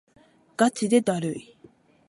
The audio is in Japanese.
ガチでだるい